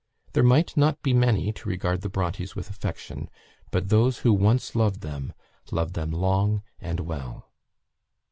There might not be many to regard the Brontes with affection, but those who once loved them, loved them long and well.